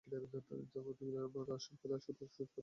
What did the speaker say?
যার মধ্যে সরকারের রাজস্ব পরিশোধ করতে হবে দুই কোটি টাকারও বেশি।